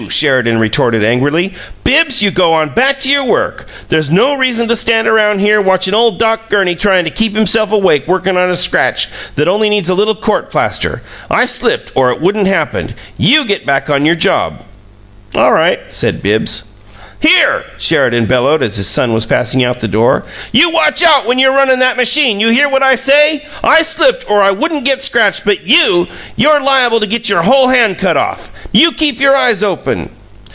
Sheridan retorted, angrily. "Bibbs, you go on back to your work. There's no reason to stand around here watchin' ole Doc Gurney tryin' to keep himself awake workin' on a scratch that only needs a little court plaster. I slipped, or it wouldn't happened. You get back on your job." "All right," said Bibbs. "HERE!" Sheridan bellowed, as his son was passing out of the door. "You watch out when you're runnin' that machine! You hear what I say? I slipped, or I wouldn't got scratched, but you YOU'RE liable to get your whole hand cut off! You keep your eyes open!"